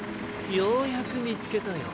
ようやくみつけたよ。